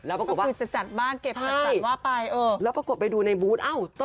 แล้วปรากฏว่าใช่แล้วปรากฏไปดูในบูธเอ้า